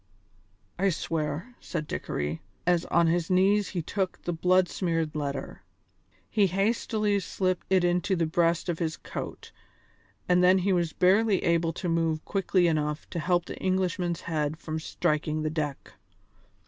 "I swear," said Dickory, as on his knees he took the blood smeared letter. He hastily slipped it into the breast of his coat, and then he was barely able to move quick enough to keep the Englishman's head from striking the deck.